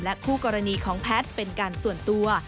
คู่กรณีของแพทย์เป็นการส่วนตัว